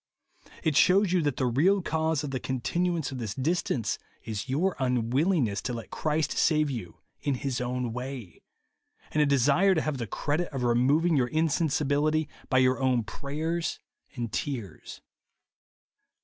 It shews you that the real cause of the continuance of this distance is your unwillingness to let Christ save you in his own way, — and a desire to have the credit of removing your insensibility by your own prayers and tears.